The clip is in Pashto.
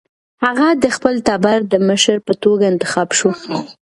هغه د خپل ټبر د مشر په توګه انتخاب شو.